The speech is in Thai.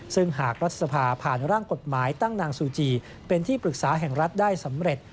ซึ่งหากรัฐสภาผ่านร่างกฎหมายตั้งนางซูจีเป็นที่ปรึกษาแห่งรัฐได้สำเร็จ